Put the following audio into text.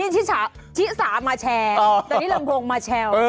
นี่ชิสามาแชร์แต่นี่ลำโพงมาแชว